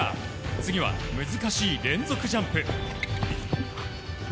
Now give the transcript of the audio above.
次は難しい連続ジャンプ。